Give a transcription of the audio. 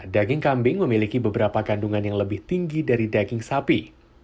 daging kambing memiliki beberapa kandungan yang lebih tinggi dari daging sapi